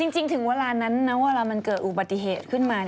ถึงเวลานั้นนะเวลามันเกิดอุบัติเหตุขึ้นมา